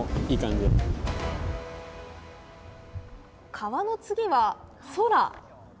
川の次は空。